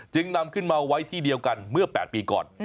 นำขึ้นมาไว้ที่เดียวกันเมื่อ๘ปีก่อน